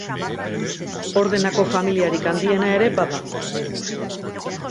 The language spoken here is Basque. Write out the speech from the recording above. Ordenako familiarik handiena ere bada.